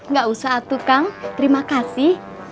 gak usah atuh kang terima kasih